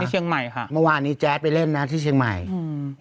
เชียงใหม่ค่ะเมื่อวานนี้แจ๊ดไปเล่นนะที่เชียงใหม่อืม